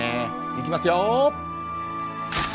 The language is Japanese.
いきますよ。